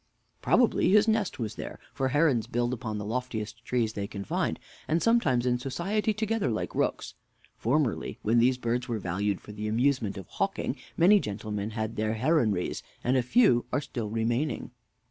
Mr. A. Probably his nest was there, for herons build upon the loftiest trees they can find, and sometimes in society together like rooks. Formerly, when these birds were valued for the amusement of hawking, many gentlemen had their heronries, and a few are still remaining.